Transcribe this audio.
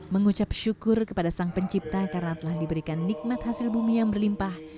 mengucap syukur kepada sang pencipta karena telah diberikan nikmat hasil bumi yang berlimpah